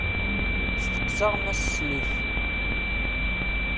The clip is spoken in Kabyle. Steqseɣ Mass Smith.